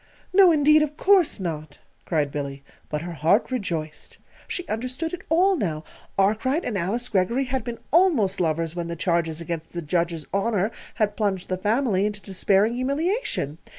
"No, indeed, of course not!" cried Billy; but her heart rejoiced. She understood it all now. Arkwright and Alice Greggory had been almost lovers when the charges against the Judge's honor had plunged the family into despairing humiliation.